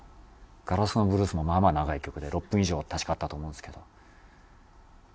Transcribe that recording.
『ガラスのブルース』もまあまあ長い曲で６分以上は確かあったと思うんですけど。